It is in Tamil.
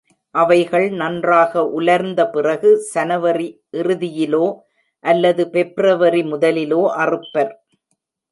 அவைகள் நன்றாக உலர்ந்த பிறகு சனவரி இறுதியிலோ அல்லது ஃபெப்ருவரி முதலிலோ அறுப்பர்.